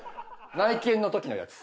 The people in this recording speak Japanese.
内見の時のやつ。